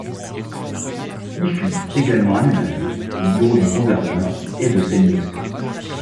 Y fut également aménagé le bureau du gouverneur et de ses ministres.